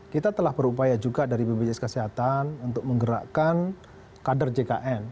kita telah berupaya juga dari bpjs kesehatan untuk menggerakkan kader jkn